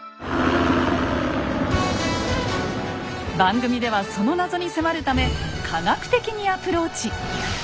番組ではその謎に迫るため科学的にアプローチ！